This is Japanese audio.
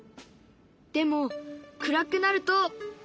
でも暗くなると。